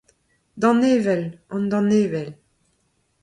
danevell, an danevell